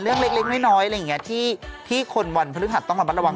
เรื่องเล็กน้อยที่คนวันพฤษฐรรมต้องระมัดระวัง